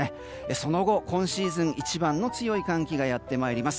その後、今シーズン一番の強い寒気がやってきます。